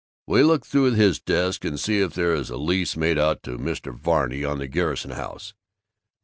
"Will you look through his desk and see if there is a lease made out to Mr. Varney on the Garrison house?"